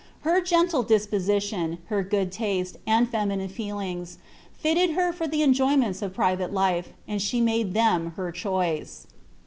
Her gentle disposition, her good lute, aod feminine feelings, fitted her for the enjoyments of private life, ud the tiiadc them her choice.